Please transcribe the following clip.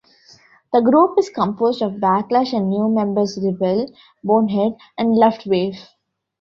The group is composed of Backlash and new members Rebel, Bonehead and Luftwaffe.